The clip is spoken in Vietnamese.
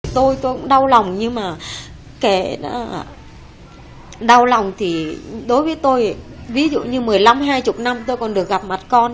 tôi tôi cũng đau lòng nhưng mà kẻ đau lòng thì đối với tôi ví dụ như một mươi năm hai mươi năm tôi còn được gặp mặt con